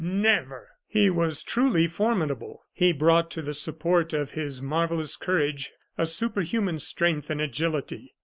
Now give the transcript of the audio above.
never!" He was truly formidable; he brought to the support of his marvellous courage a superhuman strength and agility.